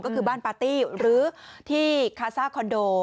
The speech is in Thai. ก็คือบ้านปาร์ตี้หรือที่คาซ่าคอนโด